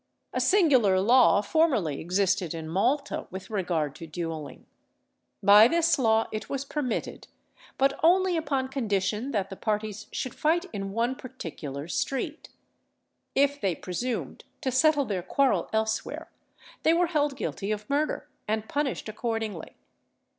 A singular law formerly existed in Malta with regard to duelling. By this law it was permitted, but only upon condition that the parties should fight in one particular street. If they presumed to settle their quarrel elsewhere, they were held guilty of murder, and punished accordingly.